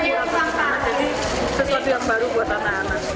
jadi sesuatu yang baru buat anak anak